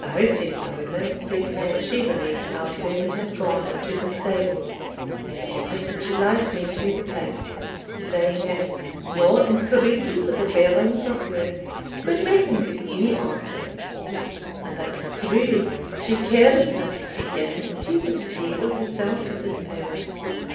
The hostess, however, said that she believed our servant had gone into the stable, and offered to light me to the place, saying that "no entreaties of the bairns or hers could make him give any answer; and that truly she caredna to gang into the stable herself at this hour.